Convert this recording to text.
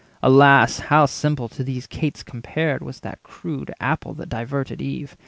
Alas! how simple, to these cates compared, Was that crude Apple that diverted Eve!